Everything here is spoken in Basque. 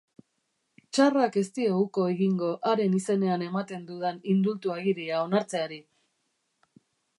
Tsarrak ez dio uko egingo haren izenean ematen dudan indultu agiria onartzeari!